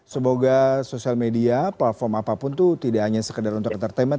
semoga sosial media platform apapun itu tidak hanya sekedar untuk entertainment